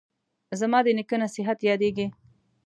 زما د نیکه نصیحت یادیږي